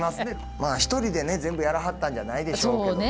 まあ一人でね全部やらはったんじゃないでしょうけどね。